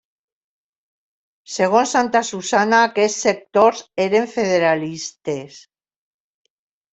Segons Santasusagna aquests sectors eren federalistes.